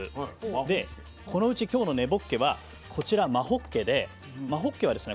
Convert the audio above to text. でこのうち今日の根ぼっけはこちらまほっけでまほっけはですね